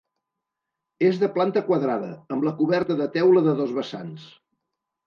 És de planta quadrada, amb la coberta de teula de dos vessants.